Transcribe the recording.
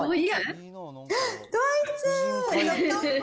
ドイツ！